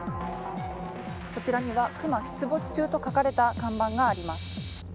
こちらには熊出没中と書かれた看板があります。